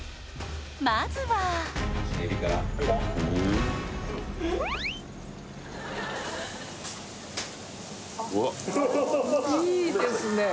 まずはうわいいですね